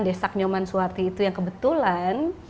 desak nyoman suwarti itu yang kebetulan